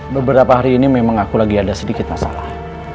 beberapa hari ini memang aku lagi ada sedikit masalah